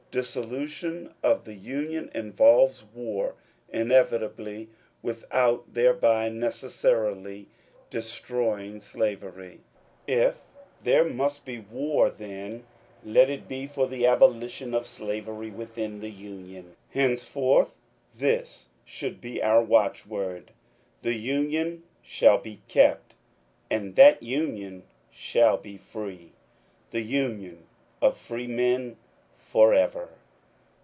Disso lution of the Union involves war inevitably without thereby necessarily destroying slavery. If there must be war then, let it be for the abolition of slavery within the Union. Hence forth this should be our watchword :^^ The Union shall be kept, and that Union shall be free. The Union of Freemen forever